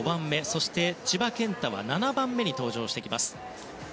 そして、千葉健太は７番目に登場してきます。